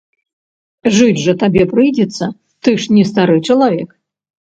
Жыць жа табе прыйдзецца, ты ж не стары чалавек.